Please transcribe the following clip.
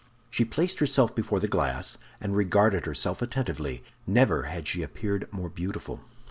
She placed herself before the glass, and regarded herself attentively; never had she appeared more beautiful.